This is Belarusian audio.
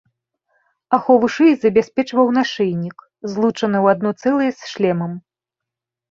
Ахову шыі забяспечваў нашыйнік, злучаны ў адно цэлае з шлемам.